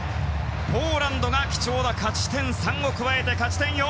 ポーランドが貴重な勝ち点３を加えて勝ち点４。